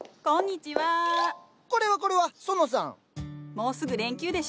もうすぐ連休でしょ。